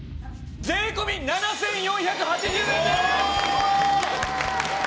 税込７４８０円です！ああ！